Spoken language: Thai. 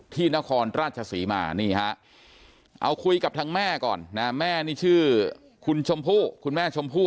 ที่นครราชสีมาเอาคุยกับทางแม่ก่อนแม่นี้ชื่อคุณชมภูคุณแม่ชมภู่